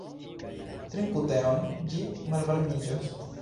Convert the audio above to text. Trinku teon, ĝi malvarmiĝos.